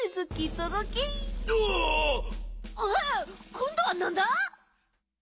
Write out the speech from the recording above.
こんどはなんだ？